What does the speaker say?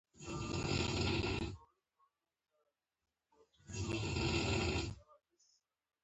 مرګ بېځانه خو ژور دی.